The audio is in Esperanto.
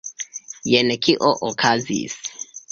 Jen kio okazis.